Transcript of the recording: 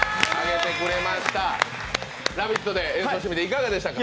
「ラヴィット！」で演奏してみていかがでしたか？